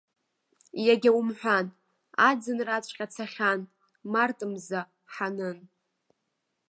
Иагьа умҳәан, аӡынраҵәҟьа цахьан, март мза ҳанын.